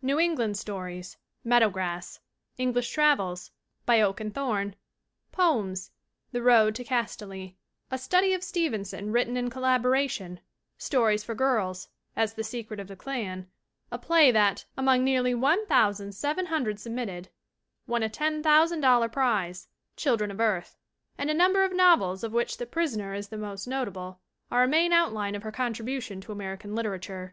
New England stories (Meadow Grass), English travels (By Oak and Thorn), poems (The Road to Castaly), a study of Stevenson written in collabora tion, stories for girls (as The Secret of the Clan), a ALICE BROWN 13 play that, among nearly 1,700 submitted, won a $10, ooo prize (Children of Earth) and a number of novels of which The Prisoner is the most notable, are a main outline of her contribution to American liter j ature.